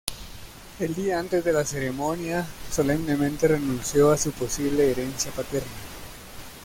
El día antes de la ceremonia, solemnemente renunció a su posible herencia paterna.